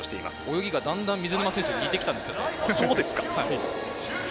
泳ぎが、だんだん水沼選手に似てきましたね。